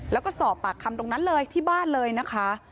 แล้วก็สอบปากคำตรงนั้นเลยที่บ้านเลยนะคะ